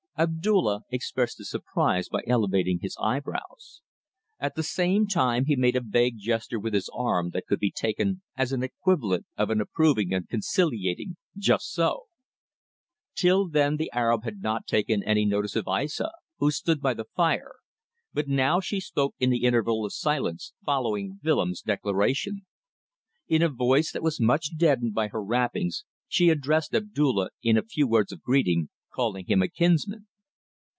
Abdulla expressed his surprise by elevating his eyebrows. At the same time he made a vague gesture with his arm that could be taken as an equivalent of an approving and conciliating "just so!" Till then the Arab had not taken any notice of Aissa, who stood by the fire, but now she spoke in the interval of silence following Willems' declaration. In a voice that was much deadened by her wrappings she addressed Abdulla in a few words of greeting, calling him a kinsman.